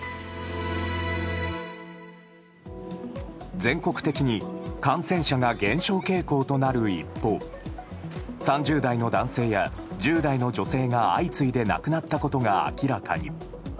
全国的に感染者が減少傾向となる一方３０代の男性や１０代の女性が相次いで亡くなったことが明らかに。